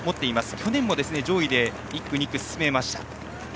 去年も上位で１区、２区進めました。